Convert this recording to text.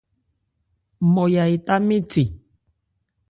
Nmɔya etá mɛ́n thè.